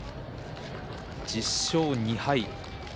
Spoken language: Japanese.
１０勝２敗。